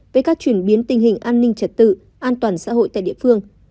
với các chuyển biến tình hình an ninh trật tự an toàn xã hội tại địa phương